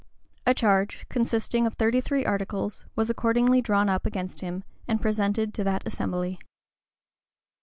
A charge, consisting of thirty three articles, was accordingly drawn up against him, and presented to that assembly.